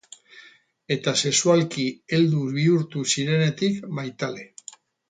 Eta sexualki heldu bihurtu zirenetik, maitale.